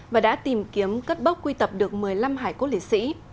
và đã tìm kiếm cất bốc quy tập được một mươi năm hải cốt liệt sĩ